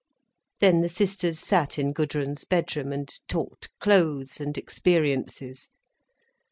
Then the sisters sat in Gudrun's bedroom, and talked clothes, and experiences.